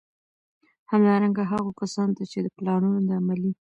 همدارنګه، هغو کسانو ته چي د پلانونو د عملي